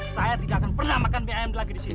saya tidak akan pernah makan mie ayam lagi disini